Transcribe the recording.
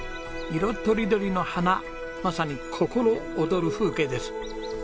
色とりどりの花まさに心躍る風景です。